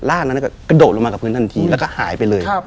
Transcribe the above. ร่างนั้นก็กระโดดลงมากับพื้นทันทีแล้วก็หายไปเลย